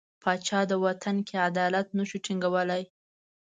پاچا په وطن کې عدالت نه شو ټینګولای.